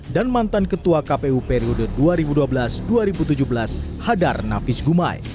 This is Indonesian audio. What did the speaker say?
dan mantan ketua kpu periode dua ribu dua belas dua ribu tujuh belas hadar navis gumai